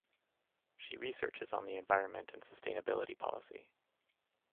She researches on the environment and sustainability policy.